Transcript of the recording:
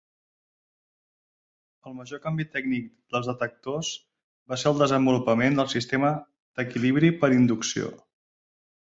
El major canvi tècnic dels detectors va ser el desenvolupament del sistema d'equilibri per inducció.